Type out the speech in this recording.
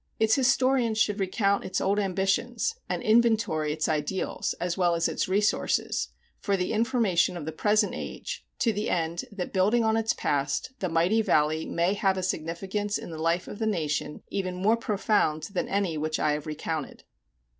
Its historians should recount its old ambitions, and inventory its ideals, as well as its resources, for the information of the present age, to the end that building on its past, the mighty Valley may have a significance in the life of the nation even more profound than any which I have recounted.